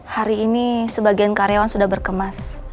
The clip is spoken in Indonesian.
hari ini sebagian karyawan sudah berkemas